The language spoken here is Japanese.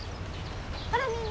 ほらみんな。